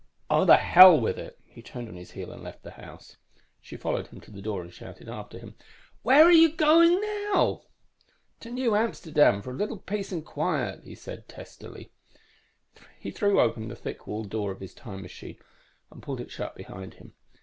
"_ "Oh, the hell with it!" He turned on his heel and left the house. She followed him to the door and shouted after him, "Where are you going now?" "To New Amsterdam for a little peace and quiet," he said testily. _He threw open the thick walled door of his time machine and pulled it shut behind him.